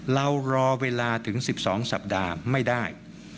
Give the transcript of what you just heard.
รอเวลาถึง๑๒สัปดาห์ไม่ได้